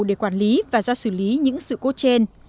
để quản lý và ra xử lý những sự cố trên